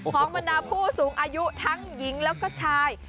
บรรดาผู้สูงอายุทั้งหญิงแล้วก็ชาย